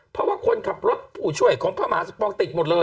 เพราะว่าคนขับรถผู้ช่วยของพระมหาสมปองติดหมดเลย